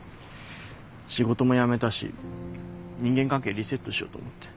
仕事も辞めたし人間関係リセットしようと思って。